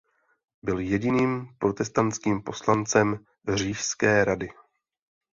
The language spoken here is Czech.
Byl jediným protestantským poslancem Říšské rady.